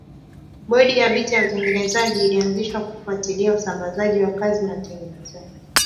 Bodi ya vita ya utengenezaji ilianzishwa kufuatilia usambazaji wa kazi na utengenezaji.